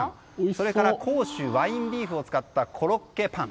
それから甲州ワインビーフを使ったコロッケパン。